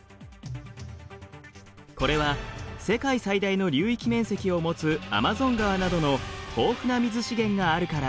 これは世界最大の流域面積を持つアマゾン川などの豊富な水資源があるから。